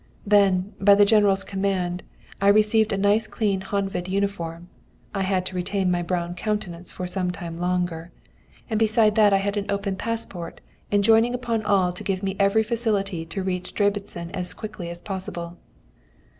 "Then, by the General's command, I received a nice clean Honved uniform (I had to retain my brown countenance for some time longer), and besides that I had an open passport enjoining upon all to give me every facility to reach Debreczin as quickly as possible.